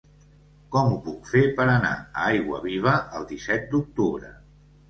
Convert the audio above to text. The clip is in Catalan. Com ho puc fer per anar a Aiguaviva el disset d'octubre?